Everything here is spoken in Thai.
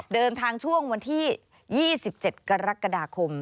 เดินทางช่วงวันที่๒๗กรกฎาคม